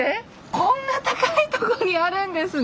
こんな高いとこにあるんですね。